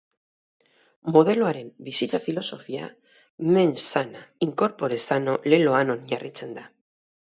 Modeloaren bizitza filosofia mens sana in corpore sano leloan oinarritzen da.